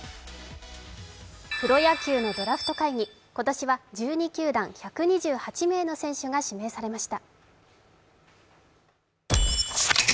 プロ野球のドラフト会議、今年は１２球団１２８名の選手が指名されました。